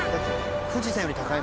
「富士山より高いもんね」